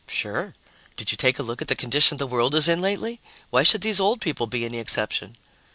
"Sure. Did you take a look at the condition the world is in lately? Why should these old people be any exception?"